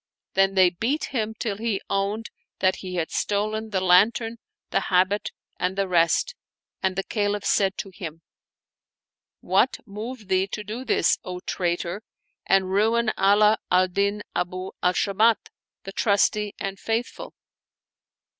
Then they beat him till he owned that he had stolen the lantern, the habit, and the rest, and the Caliph said to him, "What moved thee to do this thing, O traitor, and ruin Ala al Din Abu al Sha mat, the Trusty and Faithful?"